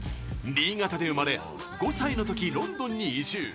新潟で生まれ５歳のとき、ロンドンに移住。